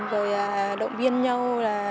và động viên nhau